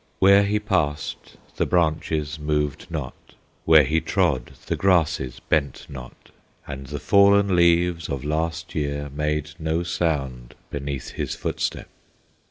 Where he passed, the branches moved not, Where he trod, the grasses bent not, And the fallen leaves of last year Made no sound beneath his footstep.